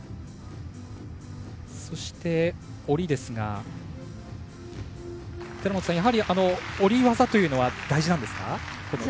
そして、下りですがやはり、下り技というのは大事なんですか？